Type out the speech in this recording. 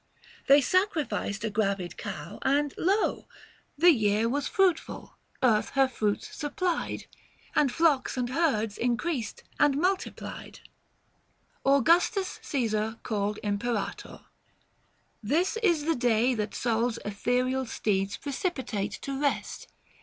770 They sacrificed a gravid cow, and lo ! The year was fruitful ; earth her fruits supplied, And flocks and herds increased and multiplied. XVI. KAL. MAI. AUGUSTUS C^SAR CALLED IMPERATOR. This is the day that Sol's ethereal steeds Precipitate to rest.